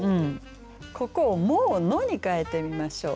ここを「も」を「の」に変えてみましょう。